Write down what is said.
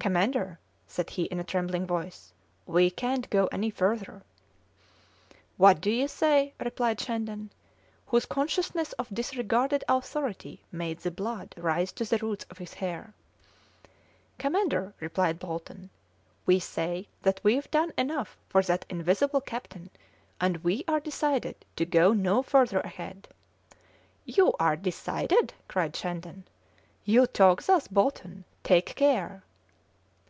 "Commander!" said he in a trembling voice, "we can't go any further." "What do you say?" replied Shandon, whose consciousness of disregarded authority made the blood rise to the roots of his hair. "Commander," replied Bolton, "we say that we've done enough for that invisible captain, and we are decided to go no further ahead." "You are decided?" cried Shandon. "You talk thus, Bolton? Take care!"